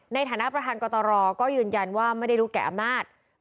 ในฐานะประธานกตรก็ยืนยันว่าไม่ได้รู้แก่อำนาจ